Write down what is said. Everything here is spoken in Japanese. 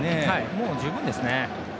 もう十分ですね。